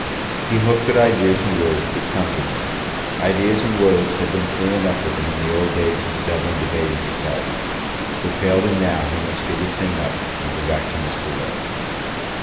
He hoped that ideas and words would come to him. Ideas and words had been free enough with him in the old days of the Dublin debating society. If they failed him now, he must give the thing up, and go back to Mr. Low.